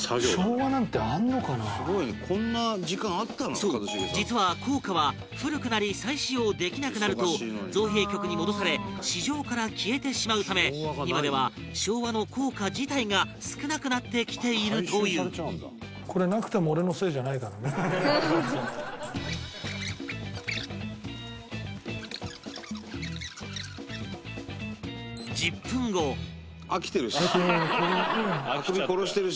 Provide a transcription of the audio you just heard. そう、実は硬貨は古くなり再使用できなくなると造幣局に戻され市場から消えてしまうため今では昭和の硬貨自体が少なくなってきているという伊達：飽きてるし。